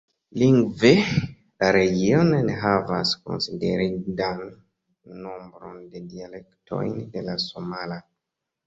Lingve, la regiono enhavas konsiderindan nombron de dialektojn de la somala.